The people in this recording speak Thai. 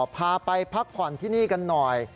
พาไปพักผ่อนที่นี่กันหน่อย